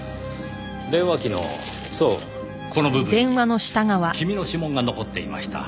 電話機のそうこの部分に君の指紋が残っていました。